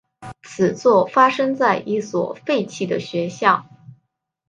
此作发生在一所废弃的学校。